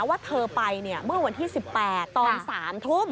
ว่าเธอไปเมื่อวันที่๑๘ตอน๓ทุ่ม